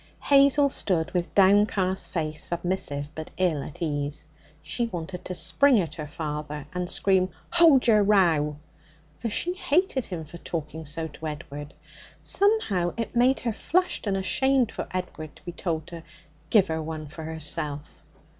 Hazel stood with downcast face, submissive, but ill at ease. She wanted to spring at her father and scream, 'Ho'd yer row!' for she hated him for talking so to Edward. Somehow it made her flushed and ashamed for Edward to be told to 'give her one for herself.'